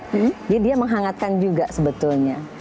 jadi dia menghangatkan juga sebetulnya